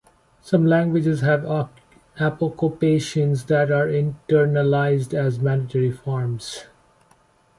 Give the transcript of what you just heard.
Some languages have apocopations that are internalized as mandatory forms.